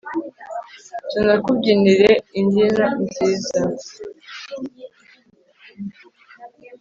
tunakubyinire imbyino nziza